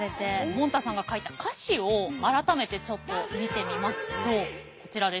もんたさんが書いた歌詞を改めてちょっと見てみますとこちらです。